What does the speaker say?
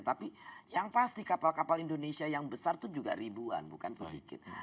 tapi yang pasti kapal kapal indonesia yang besar itu juga ribuan bukan sedikit